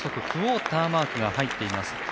クオーターマークが入っています。